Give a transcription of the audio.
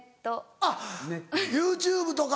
あっＹｏｕＴｕｂｅとか。